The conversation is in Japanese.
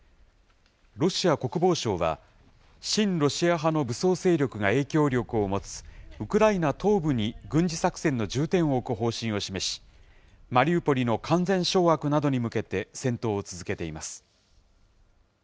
ロシア国防省は、親ロシア派の武装勢力が影響力を持つウクライナ東部に軍事作戦の重点を置く方針を示し、マリウポリの完全掌握などに向けて、戦闘を続けています。